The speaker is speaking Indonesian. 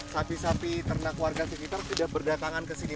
sapi sapi ternak warga sekitar sudah berdatangan ke sini